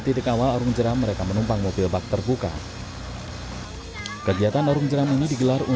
titik awal arung jeram mereka menumpang mobil bak terbuka kegiatan arung jeram ini digelar